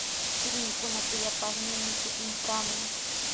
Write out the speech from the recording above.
Churinkuna kuyaparninmi kutiykaamun.